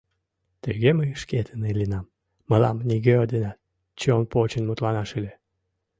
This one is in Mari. Тыге мый шкетын иленам, мылам нигӧ денат чон почын мутланаш ыле.